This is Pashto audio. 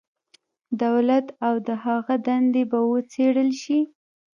دولت او د هغه دندې به وڅېړل شي.